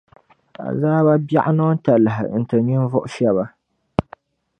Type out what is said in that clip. Azaaba biεɣu niŋ talahi n-ti ninvuɣu shɛba.